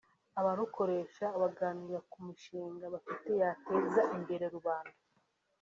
Abarukoresha baganira ku mishinga bafite yateza imbere rubanda